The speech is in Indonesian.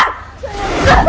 mau sampai kapan lo